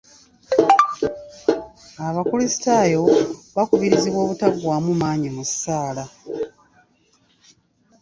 Abakulisitaayo bakubirizibwa obutaggwaamu maanyi mu ssaala.